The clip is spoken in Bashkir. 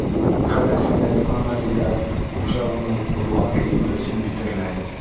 Хәл эсендә ятҡан мәлендә хужа уны урлаған кейеме өсөн битәрләй.